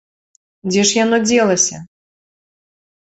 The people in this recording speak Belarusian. Дзе ж яно дзелася?